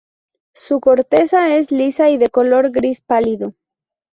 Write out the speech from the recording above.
Su corteza es lisa y de color gris pálido.